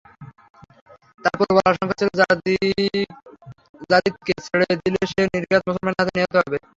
তার প্রবল আশঙ্কা ছিল, যারীদকে ছেড়ে দিলে সে নির্ঘাত মুসলমানদের হাতে নিহত হবে।